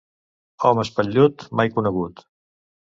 Home espatllut, mai conegut.